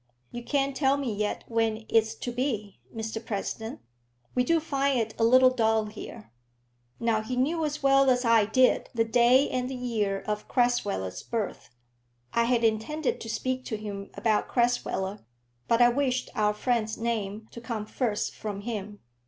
"You can't tell me yet when it's to be, Mr President? We do find it a little dull here." Now he knew as well as I did the day and the year of Crasweller's birth. I had intended to speak to him about Crasweller, but I wished our friend's name to come first from him.